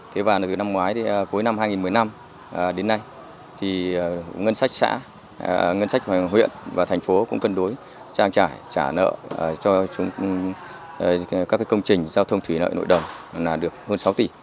thế và từ năm ngoái thì cuối năm hai nghìn một mươi năm đến nay thì ngân sách xã ngân sách huyện và thành phố cũng cân đối trang trải trả nợ cho các công trình giao thông thủy lợi nội đồng là được hơn sáu tỷ